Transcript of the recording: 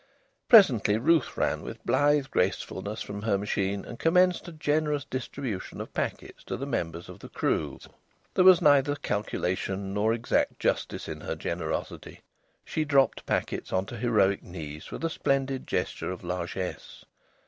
Presently Ruth ran with blithe gracefulness from her machine and commenced a generous distribution of packets to the members of the crews. There was neither calculation nor exact justice in her generosity. She dropped packets on to heroic knees with a splendid gesture of largesse.